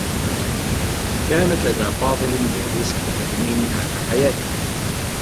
كانت لدى فاضل بوليصة تأمين على حياته.